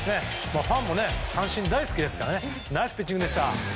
ファンも三振が大好きですからナイスピッチングでした！